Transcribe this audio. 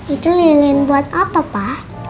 itu lilin buat apa pa